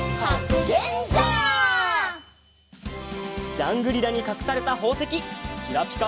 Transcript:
ジャングリラにかくされたほうせききらぴか